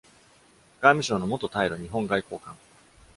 外務省の元対露日本外交官。